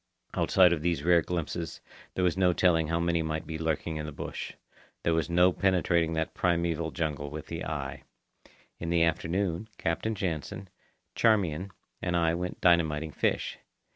Outside of these rare glimpses, there was no telling how many might be lurking in the bush. There was no penetrating that primeval jungle with the eye. In the afternoon, Captain Jansen, Charmian, and I went dynamiting fish.